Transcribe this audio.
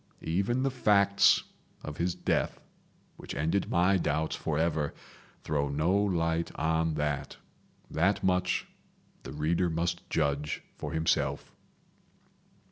Even the facts of his death, which ended my doubts forever, throw no light on that. That much the reader must judge for himself.